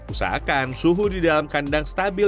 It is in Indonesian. usahakan suhu di dalam kandang stabil